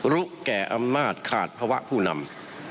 รู้แก่อำนาจขาดภาวะผู้นำ